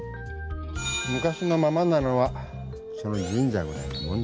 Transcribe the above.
昔のままなのはその神社ぐらいなもんだ。